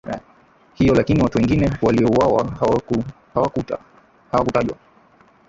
hiyo Lakini watu wengine waliouawa hawakuta hawakutajwa